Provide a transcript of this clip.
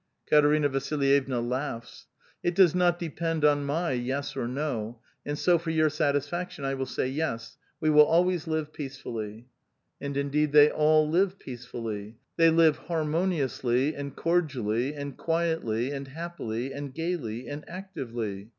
Katerina Vasilvevna laughs. It does not depend on my yes or no; and so for your satisfaction, I will say ye«, we will always live peacefully." And indeed they all live peacefully. They live harmo niously and cordially and quietly and happily and gayly and actively.